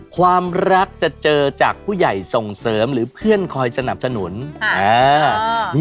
ความรักจะเจอจากผู้ใหญ่ส่งเสริมหรือเพื่อนคอยสนับสนุน